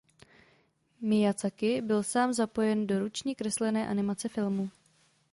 Mijazaki byl sám zapojen do ručně kreslené animace filmu.